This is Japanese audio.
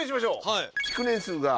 はい。